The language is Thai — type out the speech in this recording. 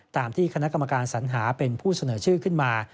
ตามที่คณะกรรมการสัญหาเป็นผู้เสนอชื่อขึ้นมา